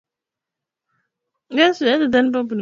Kuna vyama vidogo pia lakini hivi havina umuhimu wowote